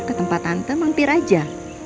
ke tempat tante mampir aja